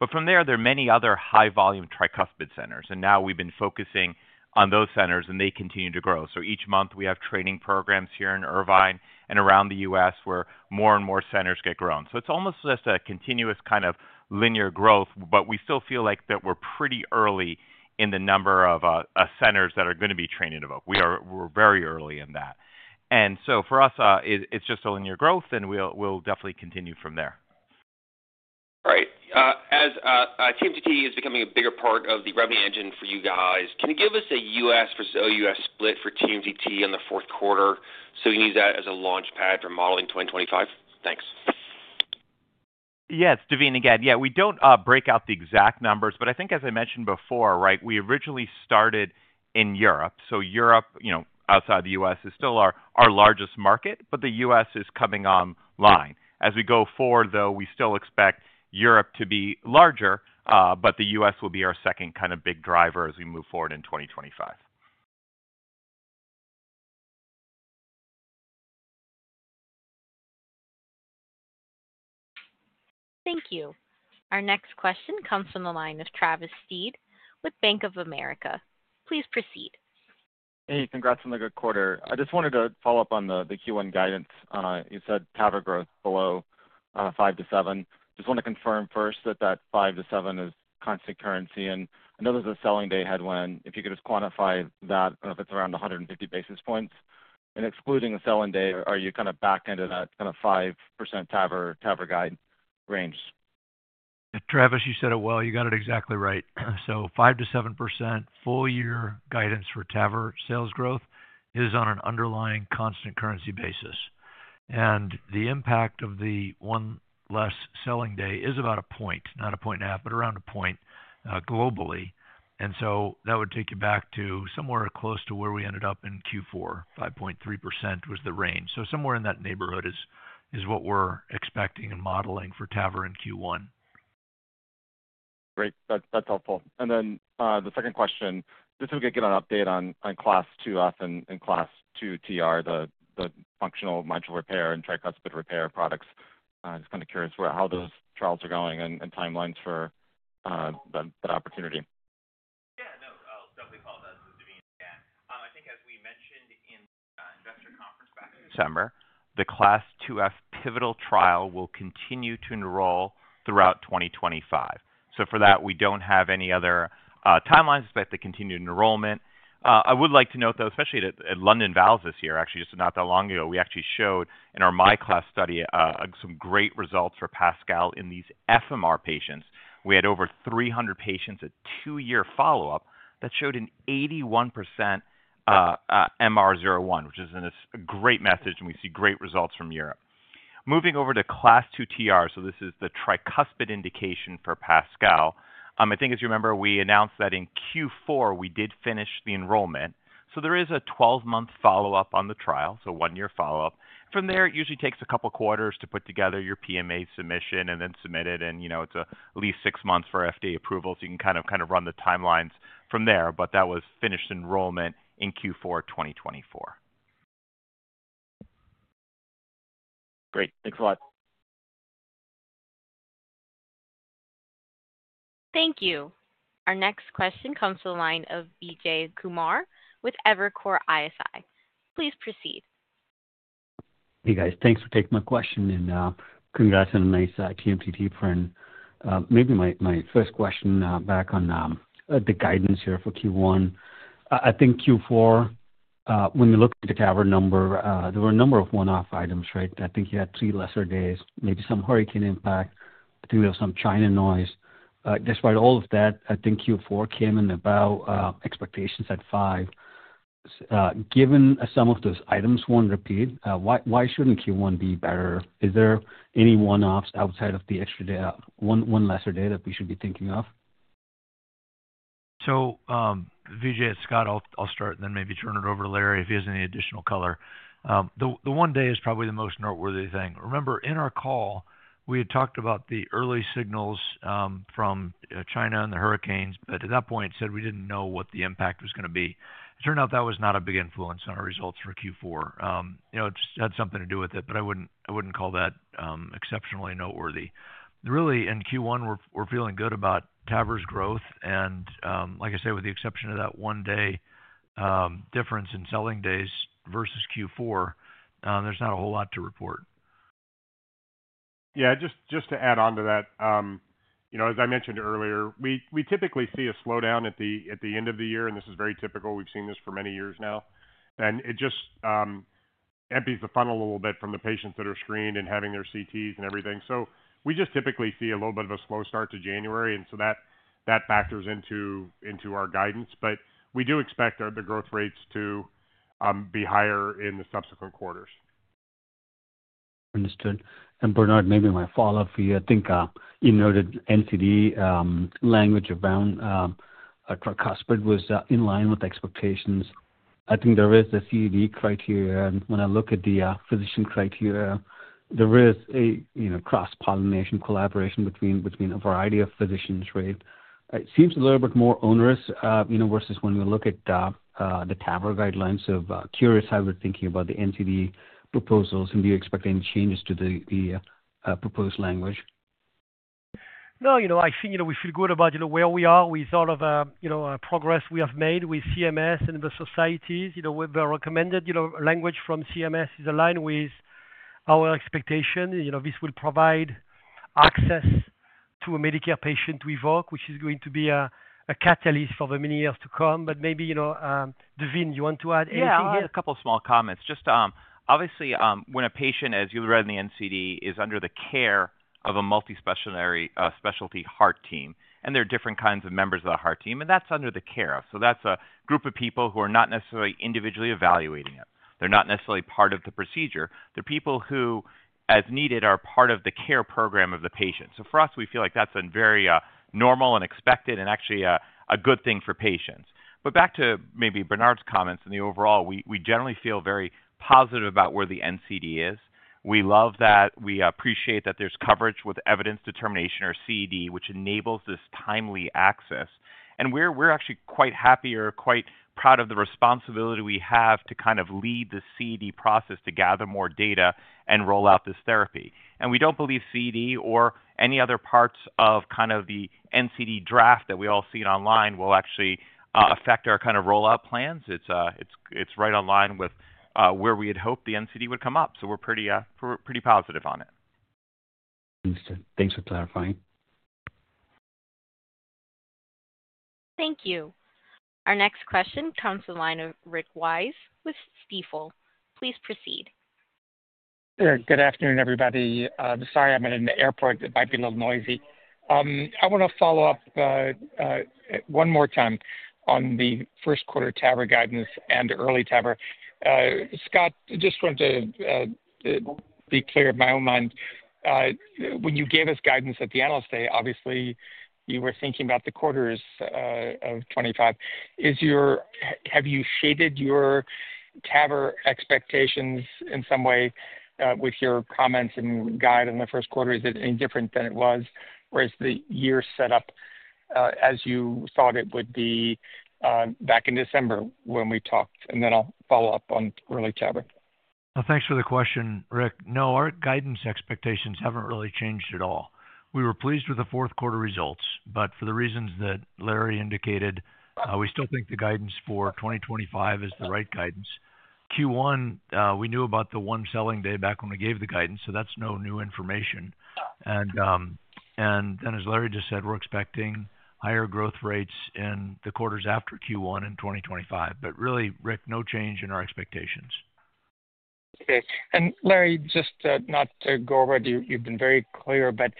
But from there, there are many other high-volume Tricuspid centers. And now we've been focusing on those centers, and they continue to grow. So each month, we have training programs here in Irvine and around the U.S. where more and more centers get trained. So it's almost just a continuous kind of linear growth, but we still feel like that we're pretty early in the number of centers that are going to be trained in EVOQUE. We're very early in that. And so for us, it's just a linear growth, and we'll definitely continue from there. Great. As TMTT is becoming a bigger part of the revenue engine for you guys, can you give us an ex-US for U.S. split for TMTT on the fourth quarter so we can use that as a launchpad for modeling 2025? Thanks. Yes, Daveen again. Yeah, we don't break out the exact numbers, but I think, as I mentioned before, right, we originally started in Europe. So Europe, outside the US, is still our largest market, but the US is coming online. As we go forward, though, we still expect Europe to be larger, but the US will be our second kind of big driver as we move forward in 2025. Thank you. Our next question comes from the line of Travis Steed with Bank of America. Please proceed. Hey, congrats on the good quarter. I just wanted to follow up on the Q1 guidance. You said TAVR growth below 5%-7%. Just want to confirm first that that 5%-7% is constant currency. And I know there's a selling day headwind. If you could just quantify that, if it's around 150 basis points. And excluding a selling day, are you kind of back into that kind of 5% TAVR guide range? Travis, you said it well. You got it exactly right. So 5%-7% full-year guidance for TAVR sales growth is on an underlying constant currency basis. And the impact of the one less selling day is about a point, not a point and a half, but around a point globally. And so that would take you back to somewhere close to where we ended up in Q4. 5.3% was the range. So somewhere in that neighborhood is what we're expecting and modeling for TAVR in Q1. Great. That's helpful. And then the second question, just if we could get an update on CLASP II F and CLASP II TR, the functional mitral repair and Tricuspid repair products. Just kind of curious how those trials are going and timelines for that opportunity. Yeah, no, I'll definitely follow that with Daveen again. I think as we mentioned in the investor conference back in December, the CLASP II F pivotal trial will continue to enroll throughout 2025. So for that, we don't have any other timelines, but the continued enrollment. I would like to note, though, especially at London Valves this year, actually, just not that long ago, we actually showed in our MiCLASP study some great results for PASCAL in these FMR patients. We had over 300 patients at two-year follow-up that showed an 81% MR01, which is a great message, and we see great results from Europe. Moving over to CLASP II TR, so this is the Tricuspid indication for PASCAL. I think, as you remember, we announced that in Q4, we did finish the enrollment. So there is a 12-month follow-up on the trial, so one-year follow-up. From there, it usually takes a couple of quarters to put together your PMA submission and then submit it. And it's at least six months for FDA approval. So you can kind of run the timelines from there, but that was finished enrollment in Q4 2024. Great. Thanks a lot. Thank you. Our next question comes to the line of Vijay Kumar with Evercore ISI. Please proceed. Hey, guys, thanks for taking my question. And congrats on a nice TMTT print. Maybe my first question back on the guidance here for Q1. I think Q4, when we looked at the TAVR number, there were a number of one-off items, right? I think you had three lesser days, maybe some hurricane impact. I think there was some China noise. Despite all of that, I think Q4 came in about expectations at five. Given some of those items, one repeat, why shouldn't Q1 be better? Is there any one-offs outside of the extra day, one lesser day that we should be thinking of? So, Vijay, Scott, I'll start and then maybe turn it over to Larry if he has any additional color. The one day is probably the most noteworthy thing. Remember, in our call, we had talked about the early signals from China and the hurricanes, but at that point, said we didn't know what the impact was going to be. It turned out that was not a big influence on our results for Q4. It just had something to do with it, but I wouldn't call that exceptionally noteworthy. Really, in Q1, we're feeling good about TAVR's growth. And like I said, with the exception of that one-day difference in selling days versus Q4, there's not a whole lot to report. Yeah, just to add on to that, as I mentioned earlier, we typically see a slowdown at the end of the year, and this is very typical. We've seen this for many years now. And it just empties the funnel a little bit from the patients that are screened and having their CTs and everything. So we just typically see a little bit of a slow start to January. And so that factors into our guidance. But we do expect the growth rates to be higher in the subsequent quarters. Understood. And Bernard, maybe my follow-up for you. I think you noted NCD language around Tricuspid was in line with expectations. I think there is the CED criteria. And when I look at the physician criteria, there is a cross-pollination collaboration between a variety of physicians, right? It seems a little bit more onerous versus when we look at the TAVR guidelines. So I'm curious how we're thinking about the NCD proposals. And do you expect any changes to the proposed language? No, I think we feel good about where we are. We thought of progress we have made with CMS and the societies. We've recommended language from CMS is aligned with our expectation. This will provide access to a Medicare patient to EVOQUE, which is going to be a catalyst for the many years to come. But maybe, Daveen, you want to add anything here? Yeah, a couple of small comments. Just obviously, when a patient, as you read in the NCD, is under the care of a multispecialty heart team, and there are different kinds of members of the heart team, and that's under the care of. So that's a group of people who are not necessarily individually evaluating it. They're not necessarily part of the procedure. They're people who, as needed, are part of the care program of the patient. So for us, we feel like that's a very normal and expected and actually a good thing for patients. But back to maybe Bernard's comments and the overall, we generally feel very positive about where the NCD is. We love that. We appreciate that there's coverage with evidence development or CED, which enables this timely access. We're actually quite happy or quite proud of the responsibility we have to kind of lead the CED process to gather more data and roll out this therapy. We don't believe CED or any other parts of kind of the NCD draft that we all see online will actually affect our kind of rollout plans. It's right in line with where we had hoped the NCD would come up. We're pretty positive on it. Understood. Thanks for clarifying. Thank you. Our next question comes to the line of Rick Wise with Stifel. Please proceed. Good afternoon, everybody. Sorry, I'm in an airport. It might be a little noisy. I want to follow up one more time on the first quarter TAVR guidance and EARLY TAVR. Scott, just want to be clear in my own mind. When you gave us guidance at the analyst day, obviously, you were thinking about the quarters of 2025. Have you shaded your TAVR expectations in some way with your comments and guide in the first quarter? Is it any different than it was? Where is the year set up as you thought it would be back in December when we talked? And then I'll follow up on EARLY TAVR. Well, thanks for the question, Rick. No, our guidance expectations haven't really changed at all. We were pleased with the fourth quarter results, but for the reasons that Larry indicated, we still think the guidance for 2025 is the right guidance. Q1, we knew about the one selling day back when we gave the guidance, so that's no new information. And then, as Larry just said, we're expecting higher growth rates in the quarters after Q1 in 2025. But really, Rick, no change in our expectations. Okay. And Larry, just not to go over it, you've been very clear, but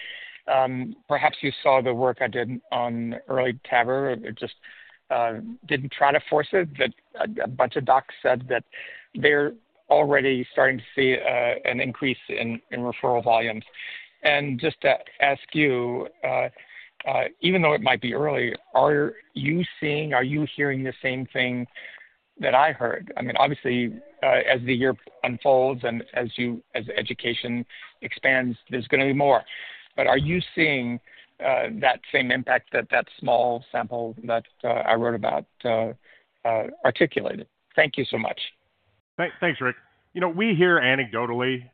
perhaps you saw the work I did on EARLY TAVR. Just didn't try to force it, but a bunch of docs said that they're already starting to see an increase in referral volumes. And just to ask you, even though it might be early, are you seeing, are you hearing the same thing that I heard? I mean, obviously, as the year unfolds and as education expands, there's going to be more. But are you seeing that same impact that that small sample that I wrote about articulated? Thank you so much. Thanks, Rick. We hear anecdotally.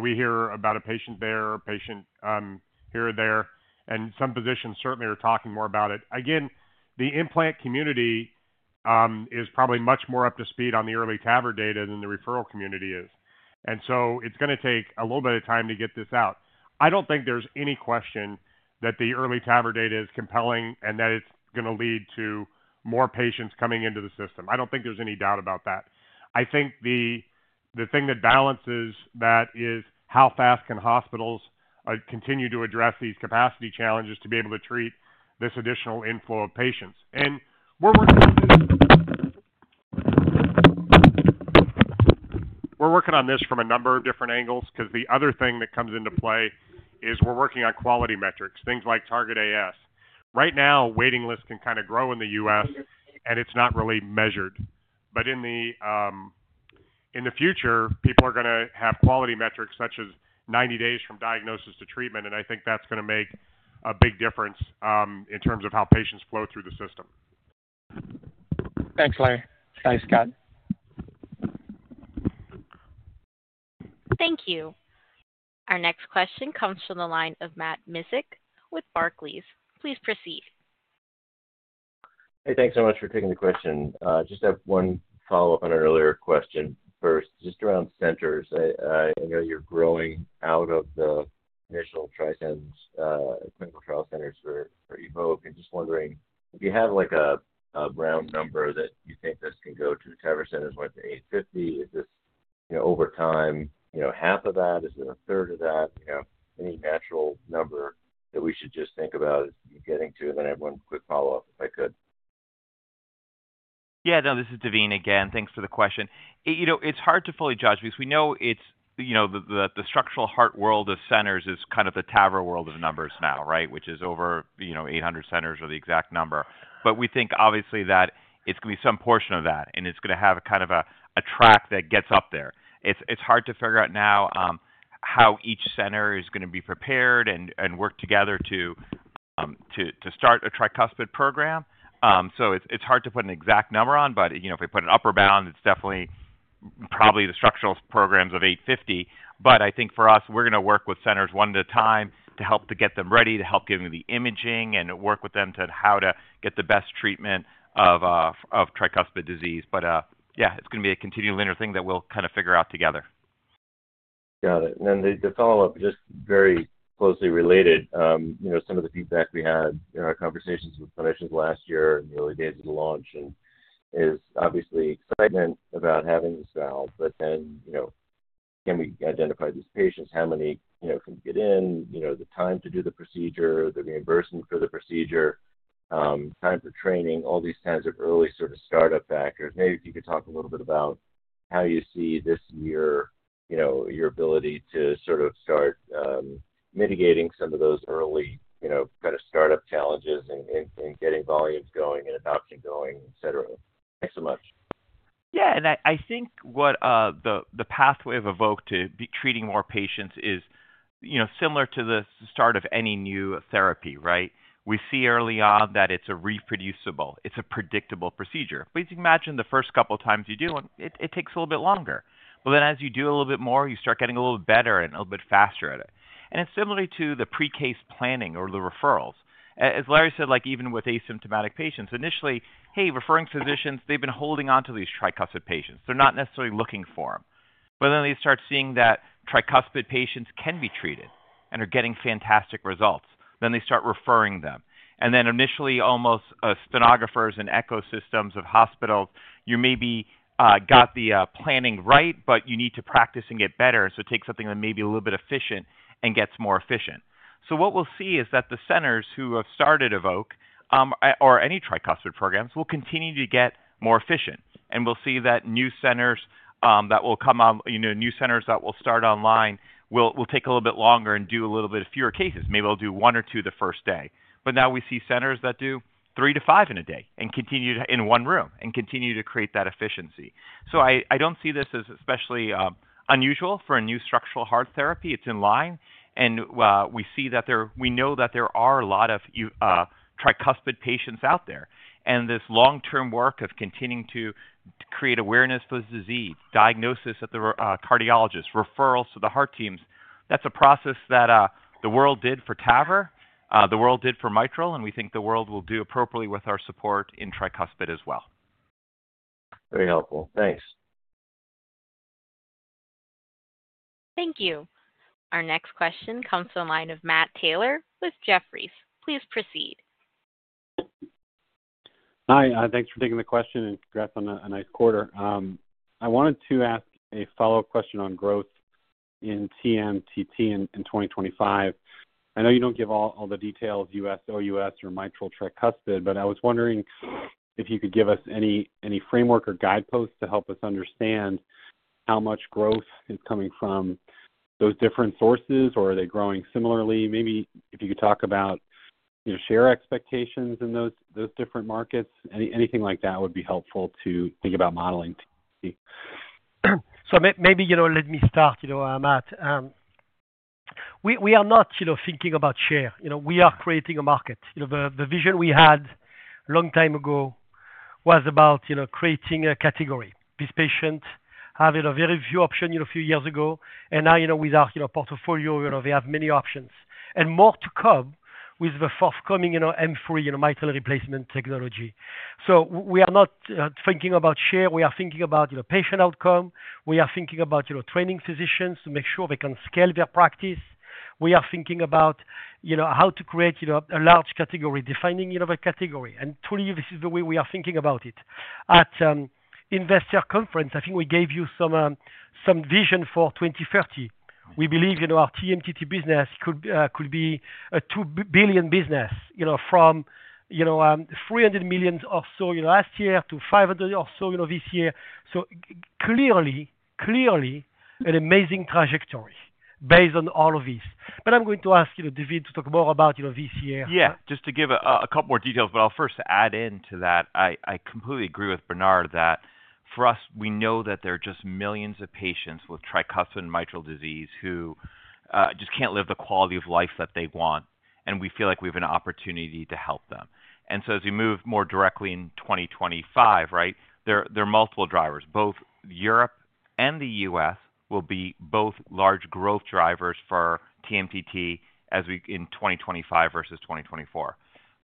We hear about a patient there, a patient here or there, and some physicians certainly are talking more about it. Again, the implant community is probably much more up to speed on the EARLY TAVR data than the referral community is. And so it's going to take a little bit of time to get this out. I don't think there's any question that the EARLY TAVR data is compelling and that it's going to lead to more patients coming into the system. I don't think there's any doubt about that. I think the thing that balances that is how fast can hospitals continue to address these capacity challenges to be able to treat this additional inflow of patients. And we're working on this from a number of different angles because the other thing that comes into play is we're working on quality metrics, things like Target AS. Right now, waiting lists can kind of grow in the U.S., and it's not really measured. But in the future, people are going to have quality metrics such as 90 days from diagnosis to treatment, and I think that's going to make a big difference in terms of how patients flow through the system. Thanks, Larry. Thanks, Scott. Thank you. Our next question comes from the line of Matt Miksic with Barclays. Please proceed. Hey, thanks so much for taking the question. Just have one follow-up on an earlier question first. Just around centers, I know you're growing out of the initial TRISCEND clinical trial centers for EVOQUE. I'm just wondering, if you have a round number that you think this can go to, TAVR centers went to 850. Is this over time? Half of that? Is it a third of that? Any natural number that we should just think about getting to? And then I have one quick follow-up, if I could. Yeah, no, this is Daveen again. Thanks for the question. It's hard to fully judge because we know the structural heart world of centers is kind of the TAVR world of numbers now, right? Which is over 800 centers or the exact number. But we think, obviously, that it's going to be some portion of that, and it's going to have kind of a track that gets up there. It's hard to figure out now how each center is going to be prepared and work together to start a Tricuspid program. So it's hard to put an exact number on, but if we put an upper bound, it's definitely probably the structural programs of 850. But I think for us, we're going to work with centers one at a time to help to get them ready, to help give them the imaging, and work with them to how to get the best treatment of Tricuspid disease. But yeah, it's going to be a continual linear thing that we'll kind of figure out together. Got it. And then the follow-up, just very closely related, some of the feedback we had in our conversations with clinicians last year in the early days of the launch is obviously excitement about having this valve, but then can we identify these patients? How many can get in? The time to do the procedure, the reimbursement for the procedure, time for training, all these kinds of early sort of startup factors. Maybe if you could talk a little bit about how you see this year your ability to sort of start mitigating some of those early kind of startup challenges and getting volumes going and adoption going, etc. Thanks so much. Yeah. And I think what the pathway of EVOQUE to treating more patients is similar to the start of any new therapy, right? We see early on that it's a reproducible. It's a predictable procedure. But you can imagine the first couple of times you do it, it takes a little bit longer. But then as you do a little bit more, you start getting a little bit faster at it. And it's similar to the pre-case planning or the referrals. As Larry said, even with asymptomatic patients, initially, hey, referring physicians, they've been holding on to these Tricuspid patients. They're not necessarily looking for them, but then they start seeing that Tricuspid patients can be treated and are getting fantastic results, then they start referring them. And then initially, in most centers and ecosystems of hospitals, you maybe got the planning right, but you need to practice and get better. So take something that may be a little bit inefficient and gets more efficient. So what we'll see is that the centers who have started EVOQUE or any Tricuspid programs will continue to get more efficient. And we'll see that new centers that will come up, new centers that will start online, will take a little bit longer and do a little bit fewer cases. Maybe they'll do one or two the first day. But now we see centers that do three to five in a day and continue in one room and continue to create that efficiency. So I don't see this as especially unusual for a new structural heart therapy. It's in line. And we see that we know that there are a lot of Tricuspid patients out there. And this long-term work of continuing to create awareness for the disease, diagnosis at the cardiologists, referrals to the heart teams, that's a process that the world did for TAVR, the world did for Mitral, and we think the world will do appropriately with our support in Tricuspid as well. Very helpful. Thanks. Thank you. Our next question comes to the line of Matt Taylor with Jefferies. Please proceed. Hi. Thanks for taking the question and congrats on a nice quarter. I wanted to ask a follow-up question on growth in TMTT in 2025. I know you don't give all the details, US, OUS, or Mitral, Tricuspid, but I was wondering if you could give us any framework or guideposts to help us understand how much growth is coming from those different sources, or are they growing similarly? Maybe if you could talk about share expectations in those different markets. Anything like that would be helpful to think about modeling to see. So maybe let me start, Matt. We are not thinking about share. We are creating a market. The vision we had a long time ago was about creating a category. This patient had a very few options a few years ago. And now, with our portfolio, they have many options. And more to come with the forthcoming M3, mitral replacement technology. So we are not thinking about share. We are thinking about patient outcome. We are thinking about training physicians to make sure they can scale their practice. We are thinking about how to create a large category, defining the category. Truly, this is the way we are thinking about it. At Investor Conference, I think we gave you some vision for 2030. We believe our TMTT business could be a $2 billion business from $300 million or so last year to $500 million or so this year. So clearly, clearly, an amazing trajectory based on all of these. But I'm going to ask Daveen to talk more about this year. Yeah, just to give a couple more details, but I'll first add into that. I completely agree with Bernard that for us, we know that there are just millions of patients with Tricuspid and mitral disease who just can't live the quality of life that they want. We feel like we have an opportunity to help them. So as we move more directly in 2025, right, there are multiple drivers. Both Europe and the US will be both large growth drivers for TMTT in 2025 versus 2024.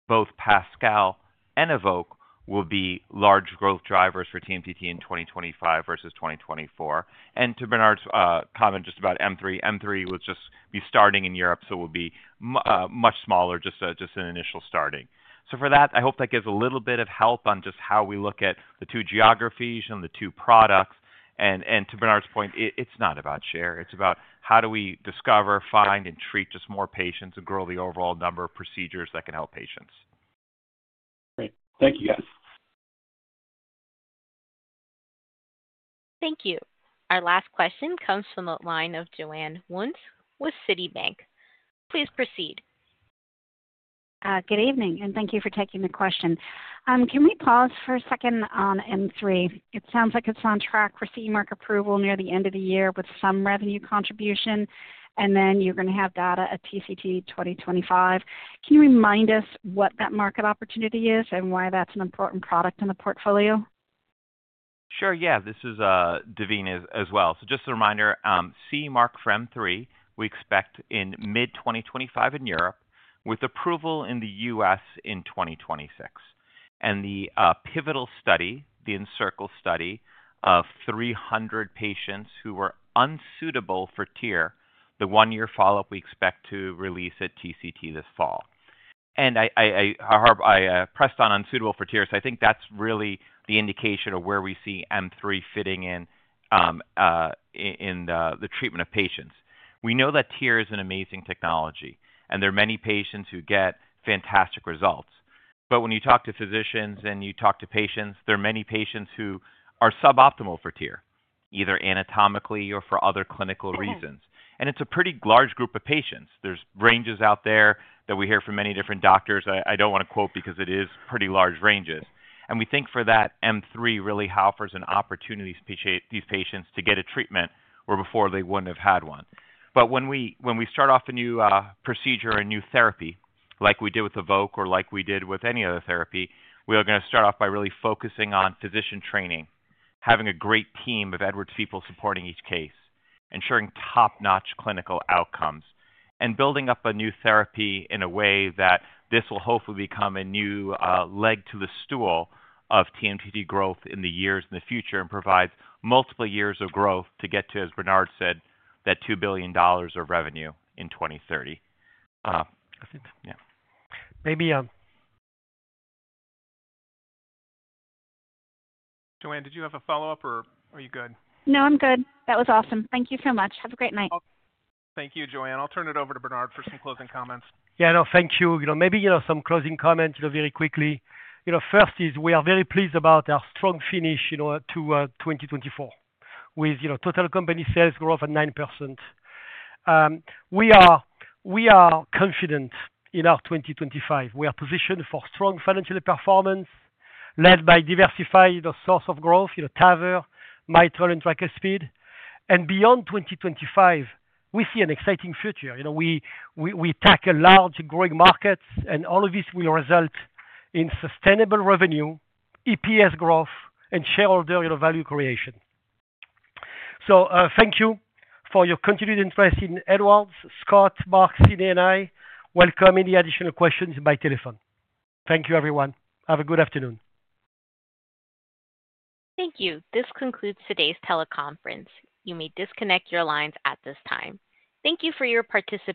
Both PASCAL and EVOQUE will be large growth drivers for TMTT in 2025 versus 2024. To Bernard's comment just about M3, M3 will just be starting in Europe, so it will be much smaller, just an initial starting. For that, I hope that gives a little bit of help on just how we look at the two geographies and the two products. To Bernard's point, it's not about share. It's about how do we discover, find, and treat just more patients and grow the overall number of procedures that can help patients. Great. Thank you, guys. Thank you. Our last question comes from the line of Joanne Wuensch with Citibank. Please proceed. Good evening, and thank you for taking the question. Can we pause for a second on M3? It sounds like it's on track for CE mark approval near the end of the year with some revenue contribution, and then you're going to have data at TCT 2025. Can you remind us what that market opportunity is and why that's an important product in the portfolio? Sure. Yeah. This is Daveen as well. So just a reminder, CE mark for M3, we expect in mid-2025 in Europe with approval in the US in 2026. And the pivotal study, the ENCIRCLE study of 300 patients who were unsuitable for TEER, the one-year follow-up we expect to release at TCT this fall. I pressed on unsuitable for TEER, so I think that's really the indication of where we see M3 fitting in in the treatment of patients. We know that TEER is an amazing technology, and there are many patients who get fantastic results. But when you talk to physicians and you talk to patients, there are many patients who are suboptimal for TEER, either anatomically or for other clinical reasons. It's a pretty large group of patients. There's ranges out there that we hear from many different doctors. I don't want to quote because it is pretty large ranges. We think for that, M3 really offers an opportunity to these patients to get a treatment where before they wouldn't have had one. But when we start off a new procedure or a new therapy, like we did with EVOQUE or like we did with any other therapy, we are going to start off by really focusing on physician training, having a great team of Edwards people supporting each case, ensuring top-notch clinical outcomes, and building up a new therapy in a way that this will hopefully become a new leg to the stool of TMTT growth in the years in the future and provides multiple years of growth to get to, as Bernard said, that $2 billion of revenue in 2030. Yeah. Maybe. Joanne, did you have a follow-up, or are you good? No, I'm good. That was awesome. Thank you so much. Have a great night. Thank you, Joanne. I'll turn it over to Bernard for some closing comments. Yeah, no, thank you. Maybe some closing comments very quickly. First, we are very pleased about our strong finish to 2024 with total company sales growth of 9%. We are confident in our 2025. We are positioned for strong financial performance led by diversified source of growth, TAVR, Mitral, and Tricuspid, and beyond 2025, we see an exciting future. We tackle large growing markets, and all of this will result in sustainable revenue, EPS growth, and shareholder value creation. So thank you for your continued interest in Edwards, Scott, Mark, Sidney, and I. Welcome any additional questions by telephone. Thank you, everyone. Have a good afternoon. Thank you. This concludes today's teleconference. You may disconnect your lines at this time. Thank you for your participation.